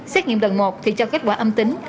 xét nghiệm lần một thì cho kết quả âm tính